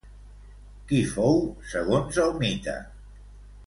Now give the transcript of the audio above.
Qui fou, segons el mite?